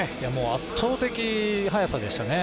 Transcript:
圧倒的、速さでしたね